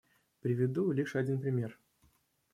Приведу лишь один пример.